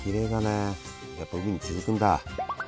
やっぱ海に続くんだ。